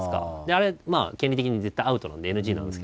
あれ権利的に絶対アウトなんでＮＧなんですけど。